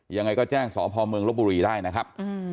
ยังไงก็แจ้งสพเมืองลบบุรีได้นะครับ